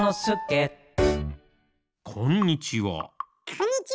こんにちは。